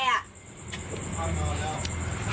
พ่อนอนแล้ว